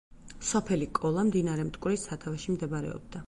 სოფელი კოლა მდინარე მტკვრის სათავეში მდებარეობდა.